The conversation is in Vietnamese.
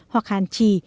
hoặc hàn trì